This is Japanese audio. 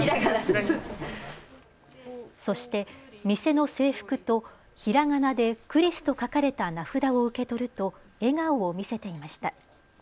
そして、店の制服とひらがなでくりすと書かれた名札を受け取ると笑顔を見せていました。